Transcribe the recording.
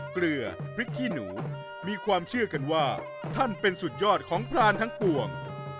เกลือพริกขี้หนูมีความเชื่อกันว่าท่านเป็นสุดยอดของพรานทั้งปวง